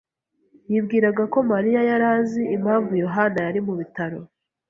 [T] yibwiraga ko Mariya yari azi impamvu Yohana yari mu bitaro.